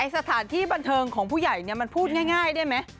สถานที่บันเทิงของผู้ใหญ่มันพูดง่ายได้ไหม